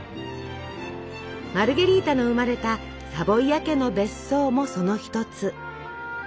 マルゲリータの生まれたサヴォイア家の別荘もその一つ。